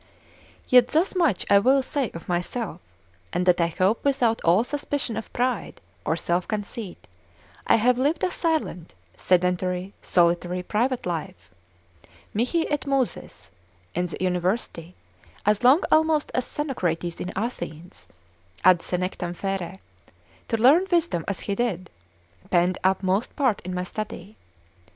Yet thus much I will say of myself, and that I hope without all suspicion of pride, or self conceit, I have lived a silent, sedentary, solitary, private life, mihi et musis in the University, as long almost as Xenocrates in Athens, ad senectam fere to learn wisdom as he did, penned up most part in my study.